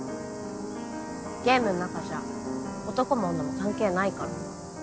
ゲームん中じゃ男も女も関係ないから。